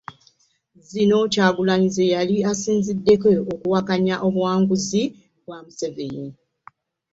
Zino Kyagulanyi ze yali asinziddeko okuwakanya obuwanguzi bwa Museveni.